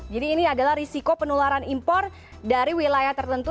jadi ini adalah risiko penularan impor dari wilayah tertentu